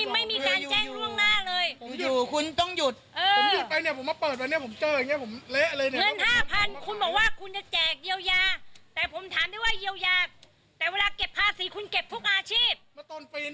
ไม่มีการแจ้งล่วงหน้าเลย